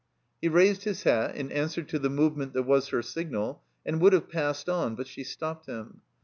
He raised his hat in answer to the movement that was her signal, and would have passed on, but she stopped him.